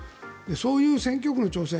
そういう選挙区の調整。